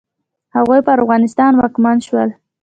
هغوی پر افغانستان واکمن شول.